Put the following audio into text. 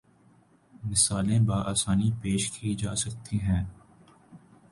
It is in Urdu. مثالیں باآسانی پیش کی جا سکتی ہیں